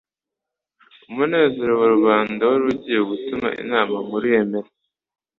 Umunezero wa rubanda wari ugiye gutuma inama nkuru yemera